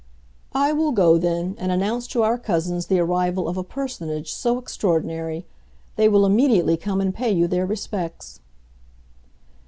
"I will go, then, and announce to our cousins the arrival of a personage so extraordinary. They will immediately come and pay you their respects."